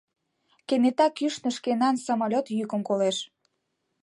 Кенета кӱшнӧ шкенан самолет йӱкым колеш.